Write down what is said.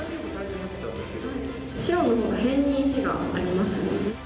白の方が辺に石がありますね。